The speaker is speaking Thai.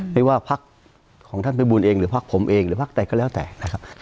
ไม่ว่าพักของท่านพิบูลเองหรือพักผมเองหรือพักใดก็แล้วแต่นะครับ